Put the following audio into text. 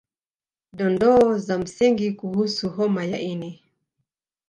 Dondoo za msingi kuhusu homa ya ini